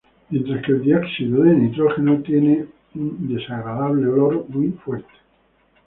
Mientras que el dióxido de nitrógeno tiene un fuerte olor desagradable.